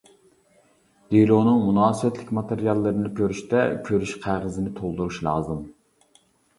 دېلونىڭ مۇناسىۋەتلىك ماتېرىياللىرىنى كۆرۈشتە كۆرۈش قەغىزىنى تولدۇرۇشى لازىم.